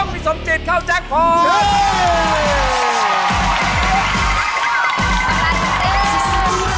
พี่สมจิตเข้าแจ็คพอร์ต